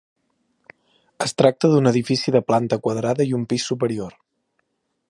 Es tracta d’un edifici de planta quadrada i un pis superior.